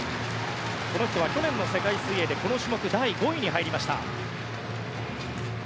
この人は去年の世界水泳でこの種目第５位に入りました。